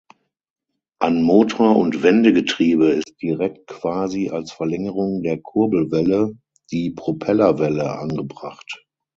An Motor und Wendegetriebe ist direkt, quasi als Verlängerung der Kurbelwelle, die Propellerwelle angebracht.